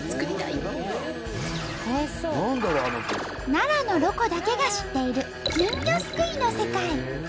奈良のロコだけが知っている金魚すくいの世界。